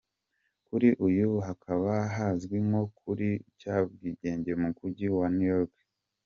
kuri ubu hakaba hazwi nko ku kirwa cy’ubwigenge mu mujyi wa New York.